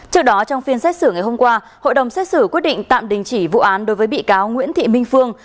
trước đó trong phiên xét xử ngày hôm qua hội đồng xét xử quyết định tạm đình chỉ vụ án đối với bị cáo nguyễn thị minh phương